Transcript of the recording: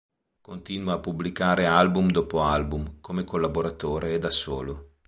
Continua a pubblicare album dopo album, come collaboratore e da solo.